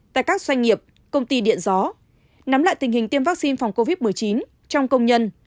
tại các doanh nghiệp công ty điện gió nắm lại tình hình tiêm vaccine phòng covid một mươi chín trong công nhân